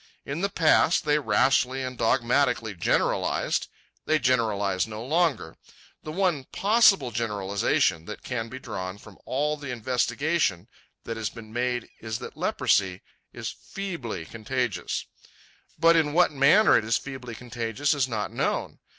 In the past they rashly and dogmatically generalized. They generalize no longer. The one possible generalization that can be drawn from all the investigation that has been made is that leprosy is feebly contagious. But in what manner it is feebly contagious is not known.